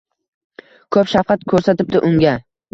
Ko‘p shafqat ko‘rsatibdi unga.